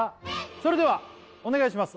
それではお願いします